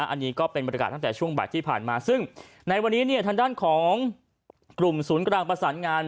อันนี้ก็เป็นบรรยากาศตั้งแต่ช่วงบ่ายที่ผ่านมาซึ่งในวันนี้ทางด้านของกลุ่มศูนย์กลางประสานงาน